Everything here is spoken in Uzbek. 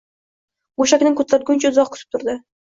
Go`shakni ko`targuncha uzoq kutib turdi